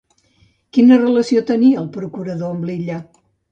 Quina relació tenia el procurador amb l'illa?